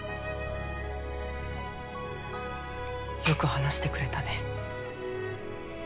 よく話してくれたね。